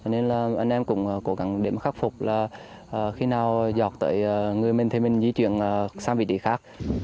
nên là anh em cũng cố gắng để mà khắc phục là khi nào giọt tới người mình thì mình di chuyển sang vị trí khác